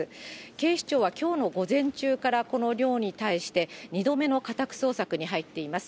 警視庁はきょうの午前中からこの寮に対して、２度目の家宅捜索に入っています。